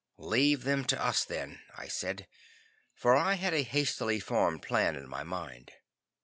"Leave them to us then," I said, for I had a hastily formed plan in my mind.